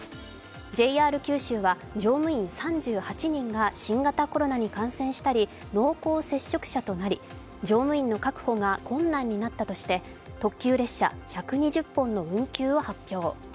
ＪＲ九州は乗務員３８人が新型コロナに感染したり濃厚接触者となり乗務員の確保が困難になったとして特急列車１２０本の運休を発表。